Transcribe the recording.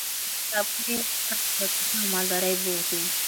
د زابل ډېری خلک په کرنه او مالدارۍ بوخت دي.